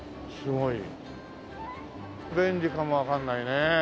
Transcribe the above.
便利かもわかんないね